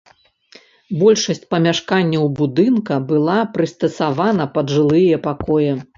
Большасць памяшканняў будынка была прыстасавана пад жылыя пакоі.